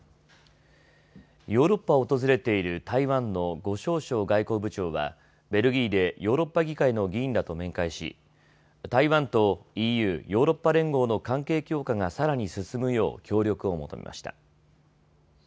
ヨーロッパを訪れている台湾の呉しょう燮外交部長はベルギーでヨーロッパ議会の議員らと面会し台湾とＥＵ・ヨーロッパ連合の関係強化がさらに進むよう協力を求めました。